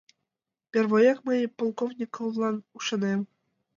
— Первояк, мый Полковниковлан ӱшанем.